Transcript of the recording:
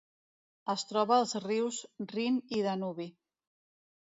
Es troba als rius Rin i Danubi.